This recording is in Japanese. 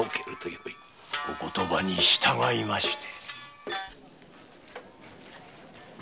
お言葉に従いまして。